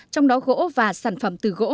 trong đó gỗ và sản phẩm từ gỗ